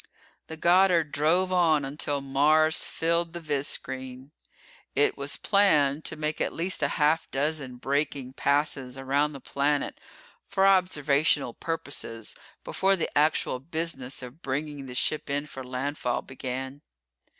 The Goddard drove on until Mars filled the viz screen. It was planned to make at least a half dozen braking passes around the planet for observational purposes before the actual business of bringing the ship in for landfall began.